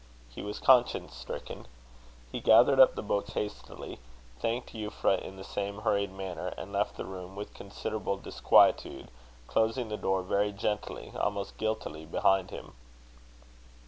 He was conscience stricken. He gathered up the books hastily, thanked Euphra in the same hurried manner, and left the room with considerable disquietude, closing the door very gently, almost guiltily, behind him.